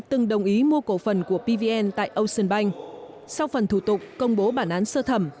từng đồng ý mua cổ phần của pvn tại ocean bank sau phần thủ tục công bố bản án sơ thẩm